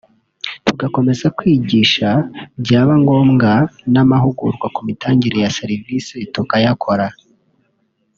tugakomeza kwigisha byaba ngombwa n’amahugurwa ku mitangire ya serivisi tukayakora